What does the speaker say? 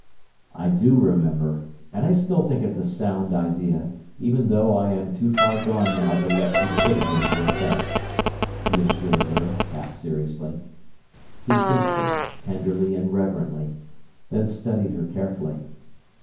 "I do remember, and I still think it's a sound idea, even though I am too far gone now to let you put it into effect," he assured her, half seriously. He kissed her, tenderly and reverently, then studied her carefully.